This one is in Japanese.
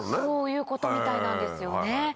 そういうことみたいなんですよね。